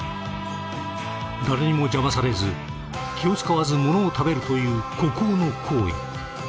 誰にも邪魔されず気を遣わずものを食べるという孤高の行為。